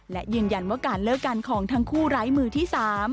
และยืนยันว่าการเลิกกันของทั้งคู่ไร้มือที่๓